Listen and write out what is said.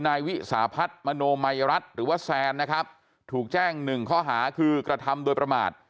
นายวิสาพัฒน์มโนมัยรัฐหรือว่าแซนนะครับถูกแจ้งหนึ่งข้อหาคือกระทำโดยประมาท